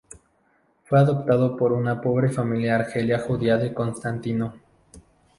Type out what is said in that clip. Fue adoptado por una muy pobre familia argelina judía de Constantino.